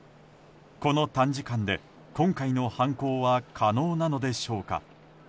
この短時間で今回の犯行は可能なのでしょうか。